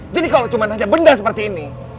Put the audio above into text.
jadi kalau cuma nanya benda seperti ini